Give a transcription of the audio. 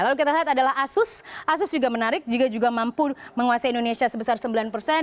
lalu kita lihat adalah asus asus juga menarik juga mampu menguasai indonesia sebesar sembilan persen